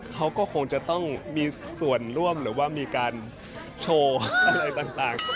เขาก็คงจะต้องมีส่วนร่วมหรือว่ามีการโชว์อะไรต่าง